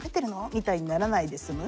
みたいにならないで済む。